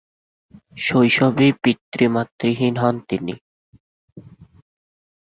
শৈশবেই পিতৃ-মাতৃহীন হন তিনি।